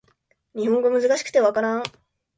日本語難しくて分からん